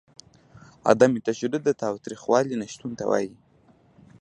عدم تشدد د تاوتریخوالي نشتون ته وايي.